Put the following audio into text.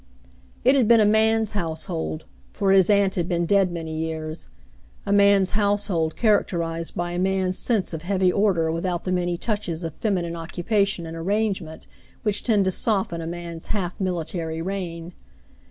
It had been a man's household, for his aunt had been dead many years — a man's household characterized by a man's sense of heavy order without the many touches of feminine occupation and arrangement which tend to soften a man's half military reign.